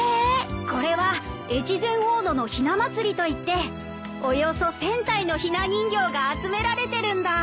これは越前大野のひな祭りといっておよそ１，０００体のひな人形が集められてるんだ。